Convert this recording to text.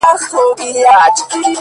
سپوږميه کړنگ وهه راخېژه وايم _